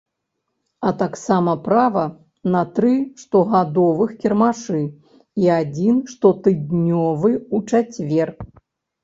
А таксама права на тры штогадовых кірмашы і адзін штотыднёвы у чацвер.